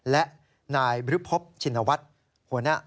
และนายบริภพชินวัฒน์